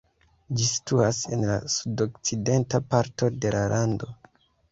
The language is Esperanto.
Ĝi situas en la sudokcidenta parto de la lando.